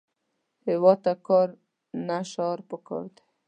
هیواد ته کار، نه شعار پکار دی